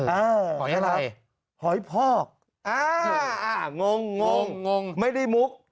อาให้รักหอยพอกอ่างงไม่ได้มุก